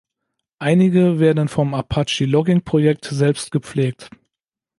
Einige werden vom Apache Logging Projekt selbst gepflegt.